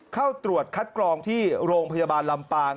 เข้าตรวจคัดกรองที่โรงพยาบาลลำปาง